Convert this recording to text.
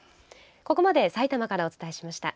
ここまで埼玉からお伝えしました。